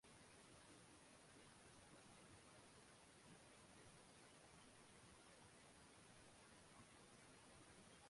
图尔站主要功能为始发和终到大区列车则主要经停圣皮耶尔代科尔站。